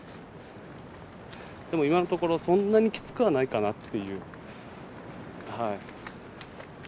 でも今のところそんなにきつくはないかな。